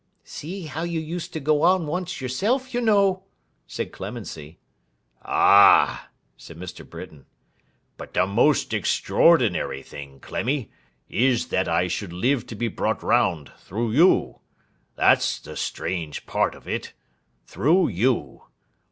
'See how you used to go on once, yourself, you know!' said Clemency. 'Ah!' said Mr. Britain. 'But the most extraordinary thing, Clemmy, is that I should live to be brought round, through you. That's the strange part of it. Through you!